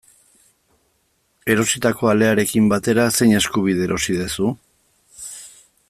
Erositako alearekin batera, zein eskubide erosi duzu?